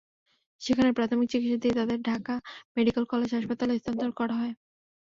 সেখানে প্রাথমিক চিকিৎসা দিয়ে তাঁদের ঢাকা মেডিকেল কলেজ হাসপাতালে স্থানান্তর করা হয়।